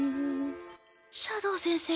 斜堂先生